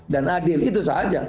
dan adil itu saja